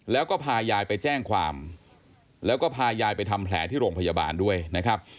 แล้วก็พายายไปแจ้งความแล้วก็พายายไปทำแผลที่โรงพยาบาลด้วยนะครับ